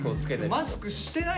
マスクしてない。